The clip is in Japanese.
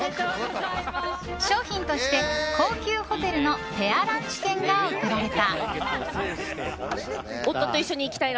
賞品として、高級ホテルのペアランチ券が贈られた。